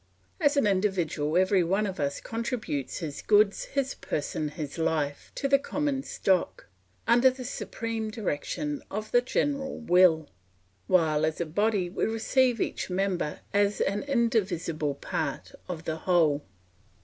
As an individual every one of us contributes his goods, his person, his life, to the common stock, under the supreme direction of the general will; while as a body we receive each member as an indivisible part of the whole.